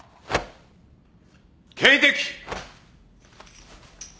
警笛。